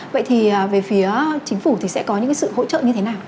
vậy thì về phía chính phủ thì sẽ có những sự hỗ trợ như thế nào